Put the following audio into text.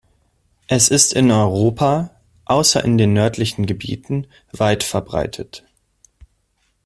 Es ist in Europa außer in den nördlichen Gebieten weit verbreitet.